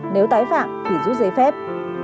nếu tái phạm thì rút giấy phép